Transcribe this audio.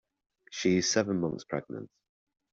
She is seven months pregnant.